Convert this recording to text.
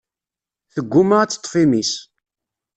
Tegguma ad teṭṭef imi-s.